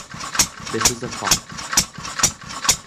This is a fault.